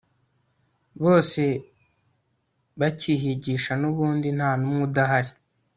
bose bakihigisha nubundi ntanumwe udahari